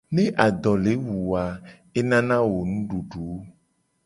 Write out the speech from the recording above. Ne ado le wu wo a enana wo nududu.